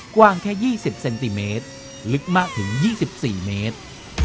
กว้างแค่๒๐เซนติเมตรลึกมากถึง๒๔เมตร